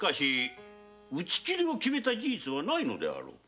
打ち切りを決めた事実はないのであろう？